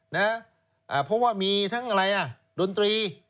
เพราะว่ามีทั้งอะไรอ่ะดนตรี